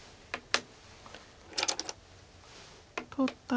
取ったら。